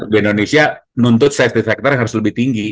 di indonesia nuntut safety factor harus lebih tinggi